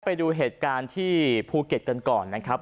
ไปดูเหตุการณ์ที่ภูเก็ตกันก่อนนะครับ